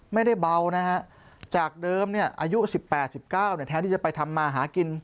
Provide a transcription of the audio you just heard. ไม่ได้เบานะฮะจากเดิมอายุ๑๘๑๙แทนที่จะไปทำมาหากิน